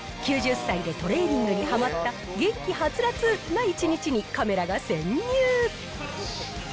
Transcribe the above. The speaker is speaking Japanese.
９０歳でトレーニングにはまった元気ハツラツな一日に、カメラが潜入。